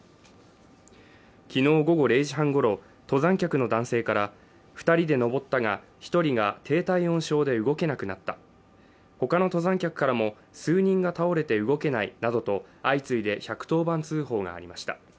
昨日午後０時半ごろ、登山客の男性から２人で登ったが、１人が低体温症で動けなくなった、他の登山客からも、数人が倒れて動けないなどと相次いで１１０番通報がありました。